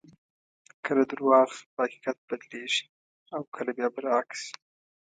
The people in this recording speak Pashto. کله درواغ په حقیقت بدلېږي او کله بیا برعکس.